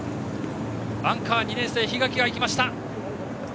アンカー、２年生の檜垣が行きました。